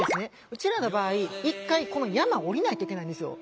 うちらの場合一回この山を下りないといけないんですよ。